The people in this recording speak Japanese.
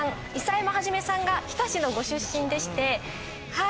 諫山創さんが日田市のご出身でしてはい